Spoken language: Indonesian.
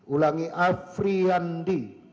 ulangi afri yandi